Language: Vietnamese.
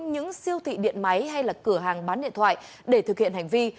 những siêu thị điện máy hay là cửa hàng bán điện thoại để thực hiện hành vi